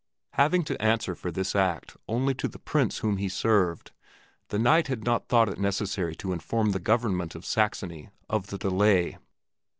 Having to answer for this act only to the Prince whom he served, the Knight had not thought it necessary to inform the government of Saxony of the delay.